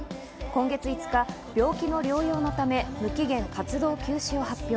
今月５日、病気の療養のため無期限活動休止を発表。